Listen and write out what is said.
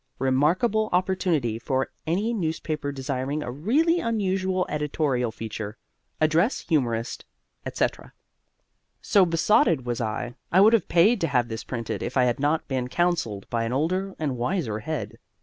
Remarkable opportunity for any newspaper desiring a really unusual editorial feature. Address HUMORIST, etc. So besotted was I, I would have paid to have this printed if I had not been counselled by an older and wiser head.